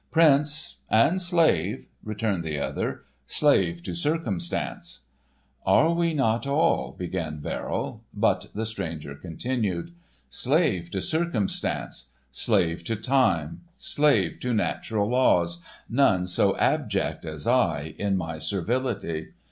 "Prince and Slave," returned the other, "slave to circumstance." "Are we not all—," began Verrill, but the stranger continued: "Slave to circumstance, slave to time, slave to natural laws, none so abject as I, in my servility.